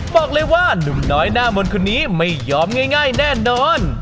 บอกเลยว่านุ่มน้อยหน้ามนต์คนนี้ไม่ยอมง่ายแน่นอน